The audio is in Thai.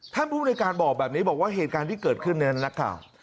ท่านผู้บริการบอกแบบนี้บอกว่าเหตุการณ์ที่เกิดขึ้นในนั้นนะครับ